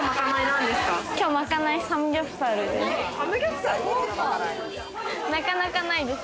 きょうまかないサムギョプサルです。